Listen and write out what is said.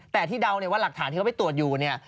แต่ที่เดาเนี่ยว่าหลักฐานที่เขาไปตรวจอยู่เนี่ย